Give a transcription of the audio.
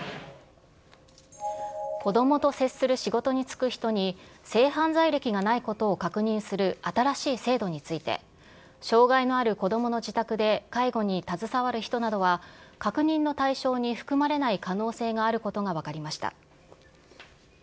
子どもと接する仕事に就く人に性犯罪歴がないことを確認する新しい制度について、障害のある子どもの自宅で介護に携わる人などは、確認の対象に含まれない可能性があることが分かりました。